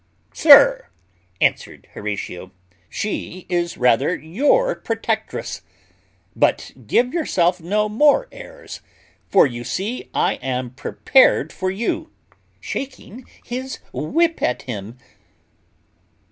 "Sir," answered Horatio, "she is rather your protectress; but give yourself no more airs, for you see I am prepared for you" (shaking his whip at him).